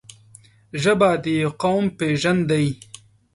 ژبه د یو قوم پېژند دی.